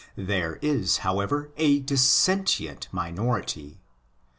There is, however, a dissentient minority.